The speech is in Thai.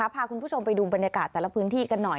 พาคุณผู้ชมไปดูบรรยากาศแต่ละพื้นที่กันหน่อย